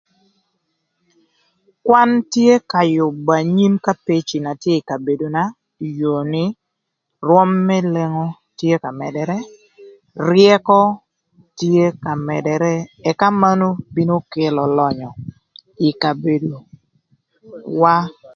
Kwan tye ka yübö anyim ka pecina ï kabedona ï yoo nï, rwöm më lengo tye ka mëdërë, ryëkö tye ka mëdërë, ëka manu bino kelö lönyö ï kabedowa.